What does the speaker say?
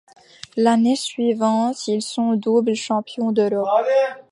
L'année suivante, ils sont doubles champions d'Europe.